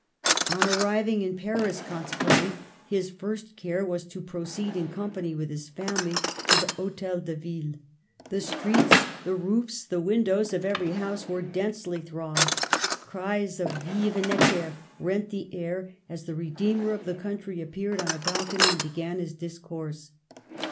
On arriving in Paris, consequently, his first care was to proceed, in company with his family, to the Hdtel de Ville. The streets, the roofs, the 4 Digitized by VjOOQIC 50 MADAME DE STA&L. windows of every house were densely thronged. Cries of "Vive Necker !" rent the air, as the re deemer of the country appeared on a balcony and began his discourse.